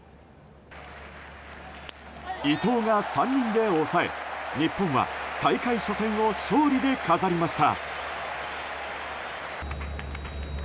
伊藤が３人で抑え、日本は大会初戦を勝利で飾りました。